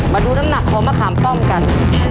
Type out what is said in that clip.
มาดูน้ำหนักของมะขามป้อมกัน